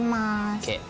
ＯＫ。